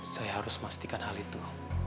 saya harus memastikan hal itu